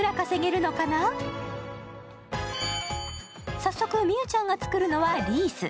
早速、美羽ちゃんが作るのはリース。